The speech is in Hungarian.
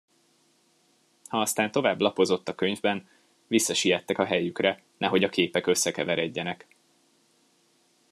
Ha aztán tovább lapozott a könyvben, visszasiettek a helyükre, nehogy a képek összekeveredjenek.